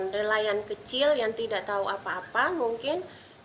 nelayan kecil yang tidak tahu apa apa mungkin